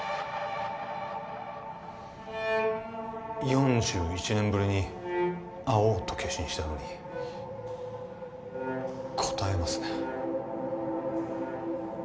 ４１年ぶりに会おうと決心したのに堪えますね